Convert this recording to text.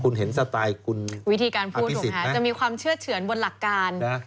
คุณเห็นสไตล์คุณอภิษฎนะครับวิธีการพูดจะมีความเชื่อเฉินบนหลักการ